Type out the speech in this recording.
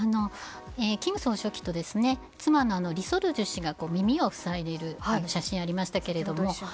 金総書記と妻のリ・ソルジュ氏が耳を塞いでいる写真がありましたが